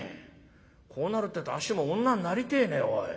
こうなるってえとあっしも女になりてえねおい。